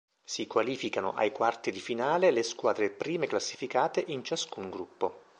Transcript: Si qualificano ai quarti di finale le squadre prime classificate in ciascun gruppo.